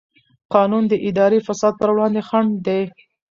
قانون د اداري فساد پر وړاندې خنډ دی.